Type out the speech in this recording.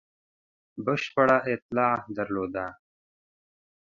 بشپړه اطلاع درلوده.